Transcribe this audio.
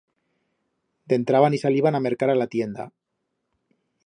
Dentraban y saliban a mercar a la tienda.